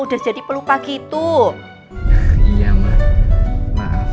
udah jadi peluka gitu iya mah maaf